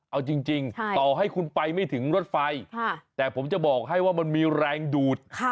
เอาจริงต่อให้คุณไปไม่ถึงรถไฟแต่ผมจะบอกให้ว่ามันมีแรงดูด